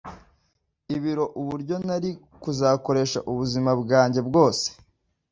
ibiro uburyo nari kuzakoresha ubuzima banjye bwose